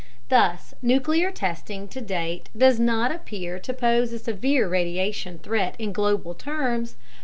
Thus nuclear testing to date does not appear to pose a severe radiation threat in global terms.